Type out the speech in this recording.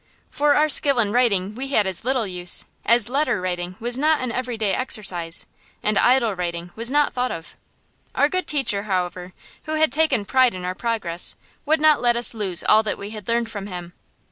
For our skill in writing we had as little use, as letter writing was not an everyday exercise, and idle writing was not thought of. Our good teacher, however, who had taken pride in our progress, would not let us lose all that we had learned from him.